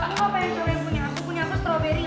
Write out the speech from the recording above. kamu mau pake yang kamu punya